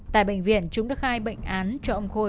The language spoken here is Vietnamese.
tại bệnh viện chúng đã khai bệnh án cho ông khôi